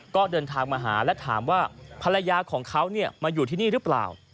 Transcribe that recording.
ก็เดินทางมาหาและถามว่าภรรยาของเขามาอยู่ที่นี่หรือเปล่า